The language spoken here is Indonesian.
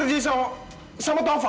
kok cuma mbak maulana itu